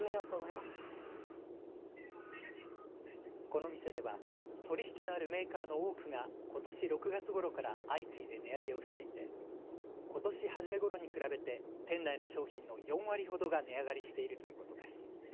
この店では取り引きのあるメーカーの多くがことし６月ごろから相次いで値上げをしていてことし初めごろに比べて店内の商品の４割ほどが値上がりしているということです。